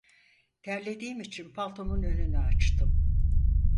Terlediğim için paltomun önünü açtım.